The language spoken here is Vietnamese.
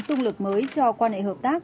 tung lực mới cho quan hệ hợp tác